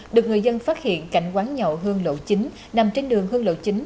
được người dân phát hiện cạnh quán nhậu hương lộ chính nằm trên đường hương lộ chính